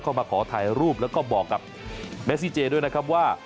มาขอถ่ายรูปแล้วก็บอกกับเมซิเจด้วยนะครับว่า